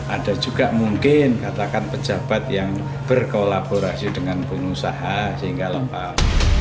ada juga mungkin katakan pejabat yang berkolaborasi dengan pengusaha sehingga lemah